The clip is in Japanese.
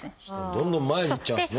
どんどん前にいっちゃうんですね。